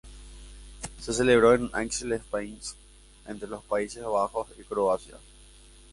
Se celebró en Aix-les-Bains entre los Países Bajos y Croacia.